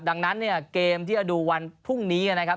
ดังนั้นเกมที่อดูตว่าวันพรุ่งนี้นะครับ